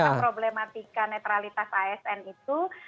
karena problematika neutralitas asn itu